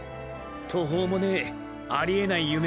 途方もねぇありえない夢を。